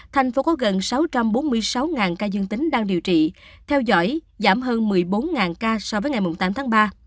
thành phố có gần sáu trăm bốn mươi sáu ca dương tính đang điều trị theo dõi giảm hơn một mươi bốn ca so với ngày tám tháng ba